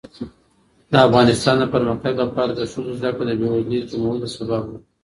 د افغانستان د پرمختګ لپاره د ښځو زدهکړه د بیوزلۍ کمولو سبب ده.